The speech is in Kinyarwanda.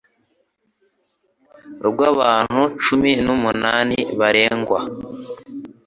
rw'abantu cumi numunani baregwa